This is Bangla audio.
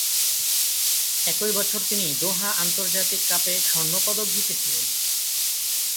একই বছর তিনি দোহা আন্তর্জাতিক কাপে স্বর্ণ পদক জিতেছিলেন।